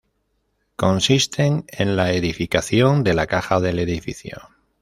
Consisten en la edificación de la caja del edificio.